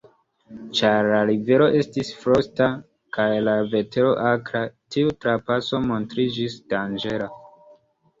Ĉar la rivero estis frosta kaj la vetero akra, tiu trapaso montriĝis danĝera.